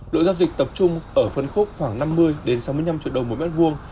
lỗi giao dịch tập trung ở phân khúc khoảng năm mươi sáu mươi năm triệu đồng mỗi mét vuông